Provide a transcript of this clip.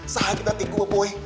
saat dibatik gue boy